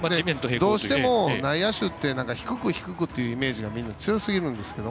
どうしても内野手って低く低くというイメージが強すぎるんですけど。